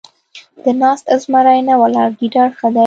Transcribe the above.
ـ د ناست زمري نه ، ولاړ ګيدړ ښه دی.